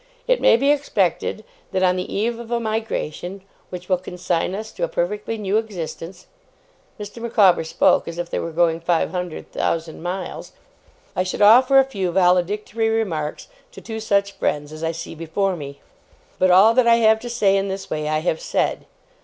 It may be expected that on the eve of a migration which will consign us to a perfectly new existence,' Mr. Micawber spoke as if they were going five hundred thousand miles, 'I should offer a few valedictory remarks to two such friends as I see before me. But all that I have to say in this way, I have said.